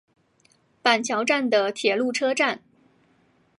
板桥站的铁路车站。